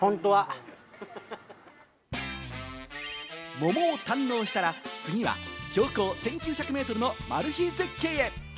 桃を堪能したら、次は標高１９００メートルのマル秘絶景へ。